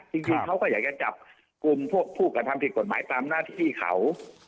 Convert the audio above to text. จริงเขาก็อยากจะจับกลุ่มพวกผู้กระทำผิดกฎหมายตามหน้าที่เขา